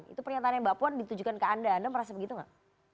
itu pernyataan yang mbak puan ditujukan ke anda anda merasa begitu enggak